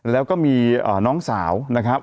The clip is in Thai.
แล้วก็มีน้องสาวนะครับ